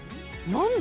何だ？